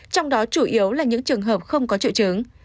trong đó chủ yếu là những trường hợp không có triệu chứng